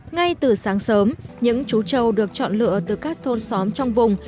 ngay từ sáng sớm những chú châu được chọn lựa từ các thôn xóm trong vùng